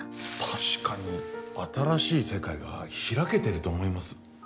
確かに新しい世界が開けていると思います。